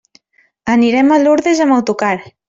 Anirem a Lurdes amb autocar.